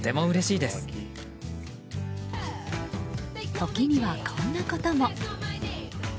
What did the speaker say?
時にはこんなことも。